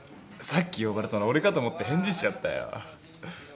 さっき呼ばれたの俺かと思って返事しちゃったよ。